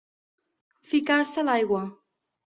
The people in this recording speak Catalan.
Ficar-se a l'aigua.